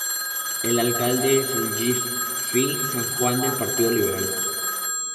El alcalde es Gil F. San Juan del Partido Liberal.